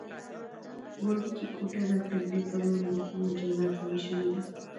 وړوکې کوټه د قبلې په لور له کوره جلا جوړه شوې ده.